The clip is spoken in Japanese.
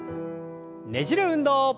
ねじる運動。